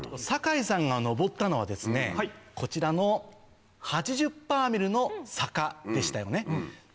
酒井さんが上ったのはですねこちらの８０‰の坂でしたよね。